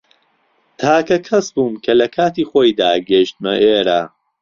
تاکە کەس بووم کە لە کاتی خۆیدا گەیشتمە ئێرە.